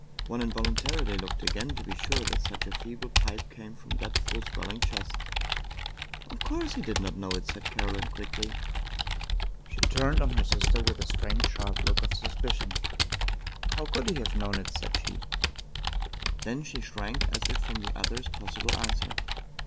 One invokintarily looked again to be sure that such a feeble pipe came from that full swelling chest. " Of course he did not know it," said Caroline quickly. She turned on her sister with a strange sharp look of sus picion. *' How could he have known it ?" said she. Then she shrank as if from the other's possible answer.